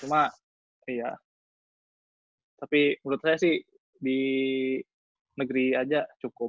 cuma iya tapi menurut saya sih di negeri aja cukup